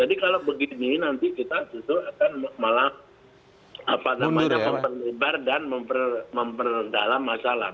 kalau begini nanti kita justru akan malah memperlebar dan memperdalam masalah